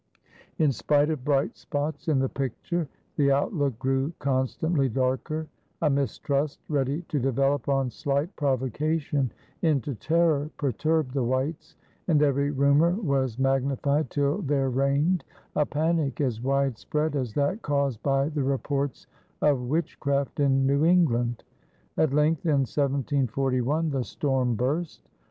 In spite of bright spots in the picture the outlook grew constantly darker; a mistrust ready to develop on slight provocation into terror perturbed the whites; and every rumor was magnified till there reigned a panic as widespread as that caused by the reports of witchcraft in New England. At length in 1741 the storm burst.